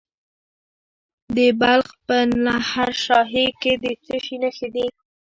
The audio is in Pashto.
د بلخ په نهر شاهي کې د څه شي نښې دي؟